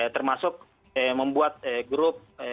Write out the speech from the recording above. termasuk membuat grup